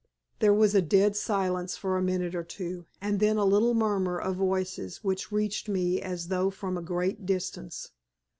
There was a dead silence for a minute or two, and then a little murmur of voices which reached me as though from a great distance.